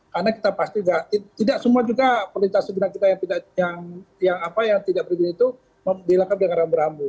karena kita pasti tidak semua juga perlintah sebidang kita yang tidak berbunyi itu dihilangkan dengan rambu rambu